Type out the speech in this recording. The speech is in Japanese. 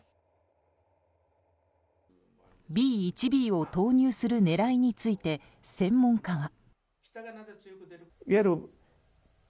Ｂ１Ｂを投入する狙いについて専門家は。